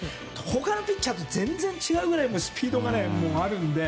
他のピッチャーと全然違うくらいスピードがあるので。